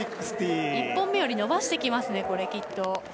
１本目より伸ばしてきますね、きっと。